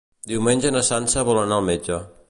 Diumenge na Sança vol anar al metge.